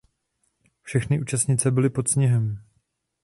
Všechny účastnice byly pod sněhem.